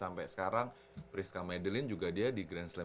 sampai sekarang priska medelin juga dia di grand slam